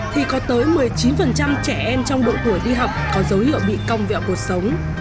thì có tới một mươi chín trẻ em trong độ tuổi đi học có dấu hiệu bị cong vẹo cuộc sống